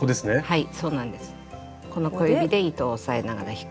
はい。